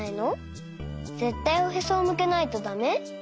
ぜったいおへそをむけないとだめ？